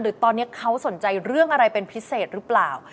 หรือตอนนี้เขาสนใจเรื่องอะไรเป็นพิเศษหรือเปล่า